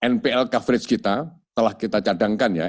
npl coverage kita telah kita cadangkan ya